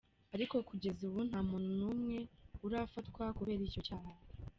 Ariko kugeza ubu nta muntu n'umwe arafatwa kubera ico caha.